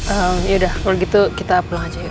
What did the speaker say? ehm yaudah kalau gitu kita pulang aja yuk